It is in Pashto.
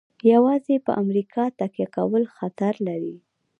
یوازې په امریکا تکیه کول خطر لري.